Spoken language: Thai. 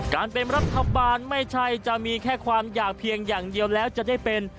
การเป็นรัฐบาลไม่ใช่จะมีแค่ความอยากเพียงอย่างเดียวแล้วจะได้เป็น